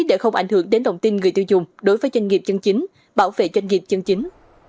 để không ảnh hưởng đến động tin người tiêu dùng đối với doanh nghiệp chân chính bảo vệ doanh nghiệp chân chính